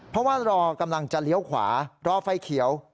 เพราะว่ารอกำลังจะเลี้ยวขวารอไฟเขียว